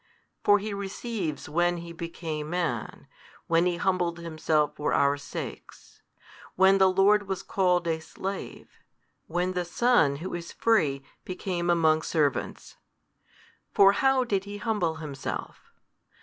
for He receives when He became Man, when He humbled Himself for our sakes, |197 when the Lord was called a slave, when the Son, Who is free, became among servants. For how did He humble Himself?